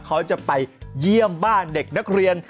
เขาจะไปเยี่ยมบ้าน